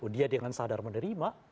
dia dengan sadar menerima